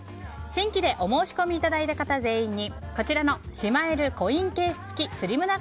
新規でお申し込みいただいた方全員にこちらのしまえるコインケース付きスリム長